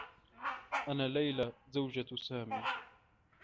أنا ليلى، زوجة سامي.